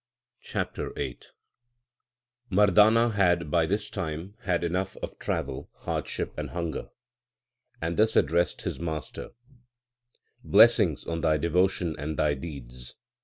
CHAPTER VIII Mardana had by this time had enough of travel, hardship, and hunger, and thus addressed his mas ter : Blessings on thy devotion and thy deeds